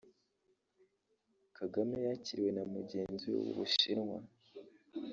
Kagame yakiriwe na mugenzi we w’u Bushinwa